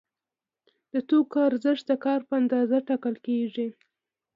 د توکو ارزښت د کار په اندازه ټاکل کیږي.